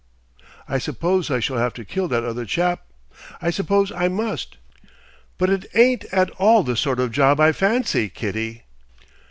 "I suppose I shall 'ave to kill that other chap. I suppose I must. But it ain't at all the sort of job I fancy, Kitty!"